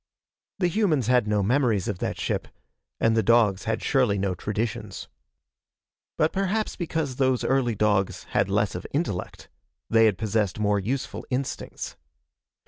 The humans had no memories of that ship, and the dogs had surely no traditions. But perhaps because those early dogs had less of intellect, they had possessed more useful instincts.